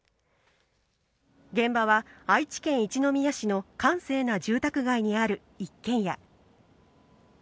現場は、愛知県一宮市の閑静な住宅街にある一軒家。